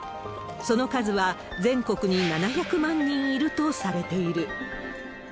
その数は、全国に７００万人いるとされている。